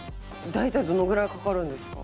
大体どのぐらいかかるんですか？